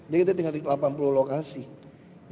jadi kita tinggal delapan puluh lokasi